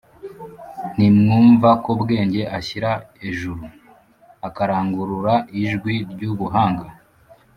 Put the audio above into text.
ntimwumva ko bwenge ashyira ejuru, akarangurura ijwi ry’ubuhanga’